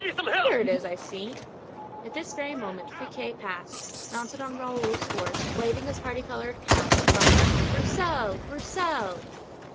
Here it is, I see." At this very moment Friquet passed, mounted on Raoul's horse, waving his parti colored cap and crying, "Broussel! Broussel!"